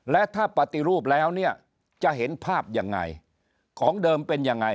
และถ้าปฏิรูปแล้วเนี่ยจะเห็นภาพยังไงของเดิมเป็นยังไง